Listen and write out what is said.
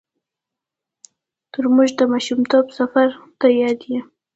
ترموز د ماشومتوب سفر ته یاد دی.